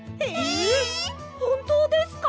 ほんとうですか？